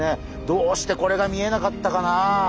どうしてこれが見えなかったかな。